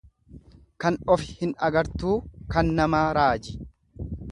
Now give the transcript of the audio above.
Kan ofi hin agartuu kan namaa raaji.